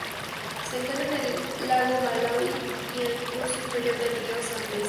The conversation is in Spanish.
Se encuentra en el lago Malaui y el curso inferior del río Zambezi.